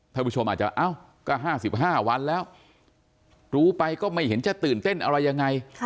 ท่านผู้ชมอาจจะเอ้าก็๕๕วันแล้วรู้ไปก็ไม่เห็นจะตื่นเต้นอะไรยังไง